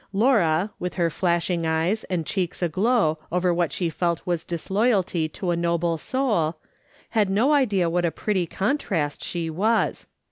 Laura, with her flashing eyes and cheeks aglow over what she felt was disloyalty to a noble soul, had no idea what a pretty contrast she was.